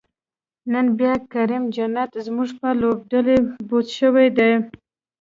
نن بیا کریم جنت زمونږ په لوبډلی بوج شوی دی